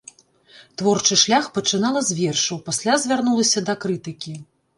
Творчы шлях пачынала з вершаў, пасля звярнулася да крытыкі.